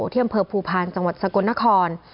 ที่อำเภอภูพาลจังหวัดสกลนคร